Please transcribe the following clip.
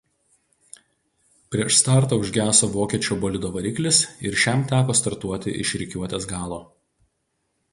Prieš startą užgeso vokiečio bolido variklis ir šiam teko startuoti iš rikiuotės galo.